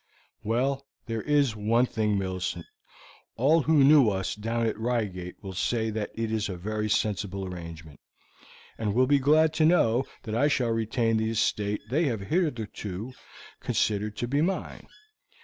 "Well, there is one thing, Millicent; all who knew us down at Reigate will say that it is a very sensible arrangement, and will be glad to know that I shall retain the estate they have hitherto considered to be mine.